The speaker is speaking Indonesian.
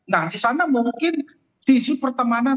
nah di sana mungkin isu pertemanan